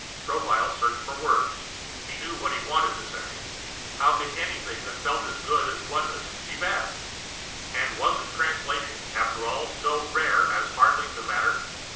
Tropile searched for words. He knew what he wanted to say. How could anything that felt as good as Oneness be bad? And wasn't Translation, after all, so rare as hardly to matter?